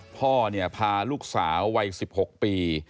พ่อพาลูกสาววัย๑๖ปี